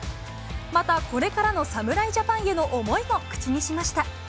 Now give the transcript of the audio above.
また、これからの侍ジャパンへの思いも口にしました。